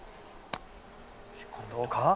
どうか！？